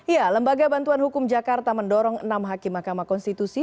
ya lembaga bantuan hukum jakarta mendorong enam hakim mahkamah konstitusi